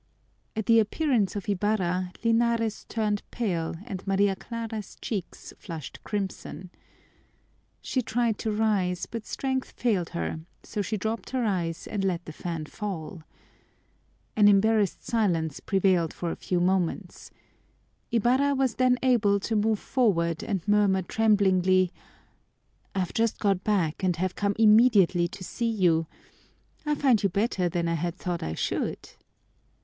At the appearance of Ibarra, Linares turned pale and Maria Clara's cheeks flushed crimson. She tried to rise, but strength failed her, so she dropped her eyes and let the fan fall. An embarrassed silence prevailed for a few moments. Ibarra was then able to move forward and murmur tremblingly, "I've just got back and have come immediately to see you. I find you better than I had thought I should."